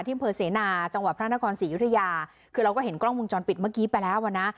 อำเภอเสนาจังหวัดพระนครศรียุธยาคือเราก็เห็นกล้องวงจรปิดเมื่อกี้ไปแล้วอ่ะนะ